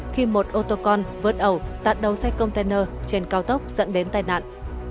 khi một ô tô con vớt ẩu tạt đầu xe container trên cao tốc dẫn đến tai nạn